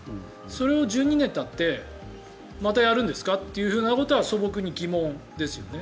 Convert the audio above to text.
それを１２年たってまたやるんですか？ということは素朴に疑問ですよね。